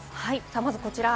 まずこちら。